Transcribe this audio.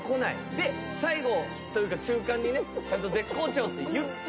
で最後というか中間にちゃんと絶好調と言ったとて。